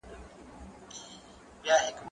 زه پرون سينه سپين کړه!.